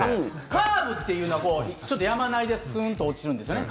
カーブっていうのはちょっと山なりでスンと落ちるんですよね。